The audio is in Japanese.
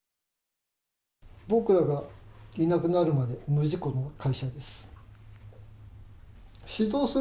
僕らがいなくなるまで無事故の会社です。